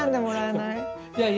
いやいや。